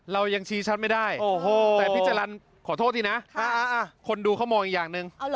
เรายังชี้ชัดไม่ได้แต่พี่จรรย์ขอโทษทีนะคนดูเขามองอีกอย่างหนึ่ง